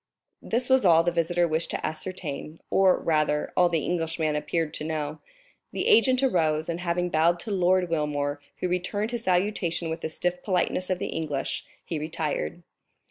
This was all the visitor wished to ascertain, or, rather, all the Englishman appeared to know. The agent arose, and having bowed to Lord Wilmore, who returned his salutation with the stiff politeness of the English, he retired.